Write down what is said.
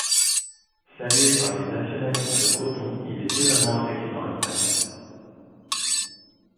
Salué par les nationalistes bretons, il est violemment attaqué dans la presse.